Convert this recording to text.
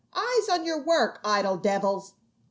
Eyes on your work, idle devils."